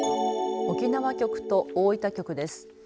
沖縄局と大分局です。